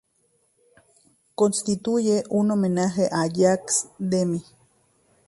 Constituye un homenaje a Jacques Demy.